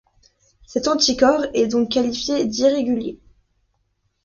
Cet anticorps est donc qualifié d'irrégulier.